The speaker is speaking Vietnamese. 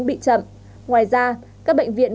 bị chậm ngoài ra các bệnh viện